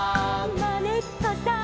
「まねっこさん」